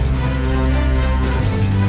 kamu apaan sih